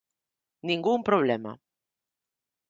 Ningún problema.